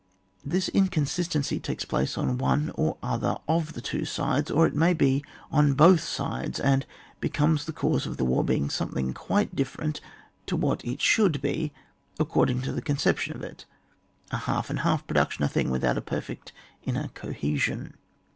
This inconsistency takes place on one or other of the two sides, or it may be on both sides, and becomes the cause of the war being something quite dif ferent to what it should be, according to the conception of it — a half and half production, a thing without a perfect inner cohesion.